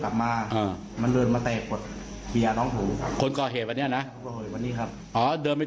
และทีนี้นายมินเอสองค์เลยเดินมา